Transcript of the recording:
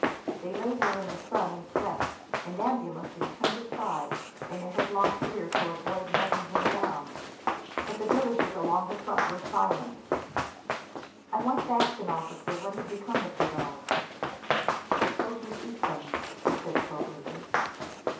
They lay there in the sun and slept, and ambulances turned aside in their headlong career to avoid running them down. But the villages along the front were silent. I once asked an officer what had become of the dogs. "The soldiers eat them!" he said soberly.